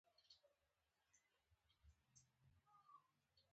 هیواد ته تعلیم، فکر، او پوهه هدیه ده